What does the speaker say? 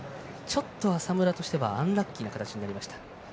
浅村としてはアンラッキーな形になりました。